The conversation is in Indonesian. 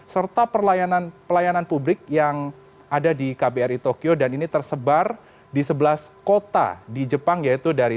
serta pelayanan publik yang ada di kbri tokyo dan ini tersebar di sebelas kota di jepang yaitu dari